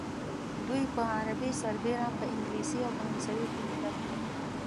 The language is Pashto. دوی په عربي سربېره په انګلیسي او فرانسوي پوهېدل.